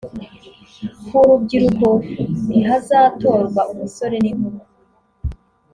Ku rubyiruko ntihazatorwa umusore n’inkumi